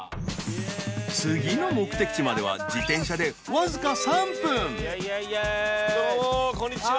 次の目的地までは自転車でわずか３分どうもこんにちは。